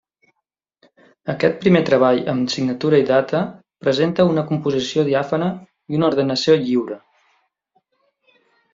Aquest primer treball amb signatura i data presenta una composició diàfana i una ordenació lliure.